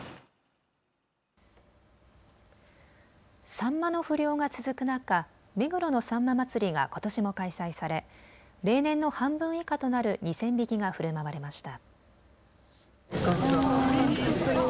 サンマの不漁が続く中、目黒のさんま祭がことしも開催され例年の半分以下となる２０００匹がふるまわれました。